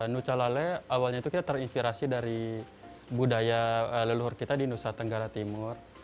nucalale awalnya itu kita terinspirasi dari budaya leluhur kita di nusa tenggara timur